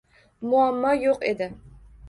Muammo "yo‘q" edi.